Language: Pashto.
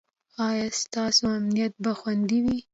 ایا ستاسو امنیت به خوندي وي؟